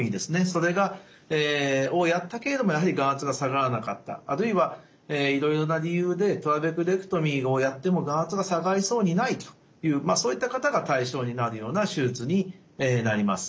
それをやったけれどもやはり眼圧が下がらなかったあるいはいろいろな理由でトラベクレクトミーをやっても眼圧が下がりそうにないというそういった方が対象になるような手術になります。